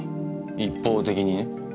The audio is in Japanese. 一方的にね。